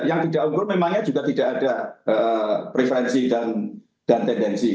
yang tidak unggul memangnya juga tidak ada preferensi dan tendensi